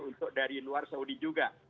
untuk dari luar saudi juga